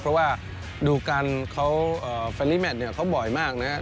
เพราะว่าดูการเขาเฟรี่แมทเนี่ยเขาบ่อยมากนะครับ